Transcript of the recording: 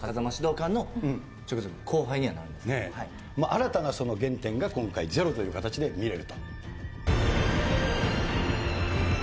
新たな原点が今回『０』という形で見れると。